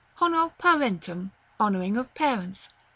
Honor parentum. Honoring of parents.